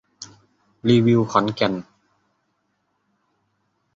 รีวิวขอนแก่น